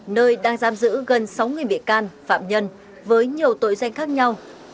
nơi đang giam giữ gần sáu người bị can phạm nhân với nhiều tội doanh khác nhau